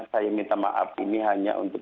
saya minta maaf ini hanya untuk